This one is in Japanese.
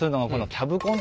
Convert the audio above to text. キャブコン。